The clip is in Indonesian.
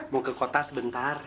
mau ke kota sebentar